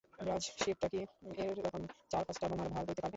ব্র্যায, শিপটা কি এরকম চার-পাঁচটা বোমার ভার বইতে পারবে?